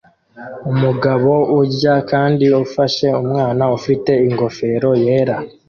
Umugabo urya kandi ufashe umwana ufite ingofero yera